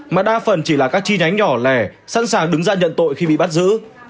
mà đa phần chỉ là các chi nhánh nhỏ lẻ sẵn sàng đứng ra nhận tội khi bị bắt giữ